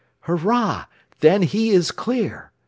"Hurrah! Then he is clear!"